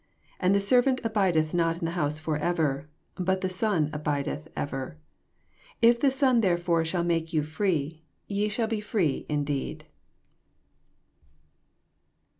35 And the servant abidetii not in the house forever: but the Son ahid eth ever. 36 If the Son, therefore, shall maka yon free, ye shall be free indeed.